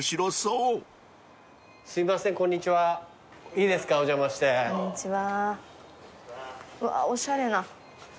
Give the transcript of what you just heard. うわおしゃれな。